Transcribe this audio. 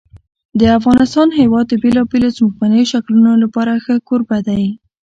د افغانستان هېواد د بېلابېلو ځمکنیو شکلونو لپاره ښه کوربه دی.